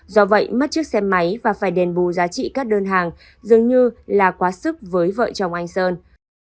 do vậy mất chiếc xe máy và phải đền bù giá trị các đơn hàng dường như là quá sức với vợ chồng anh sơn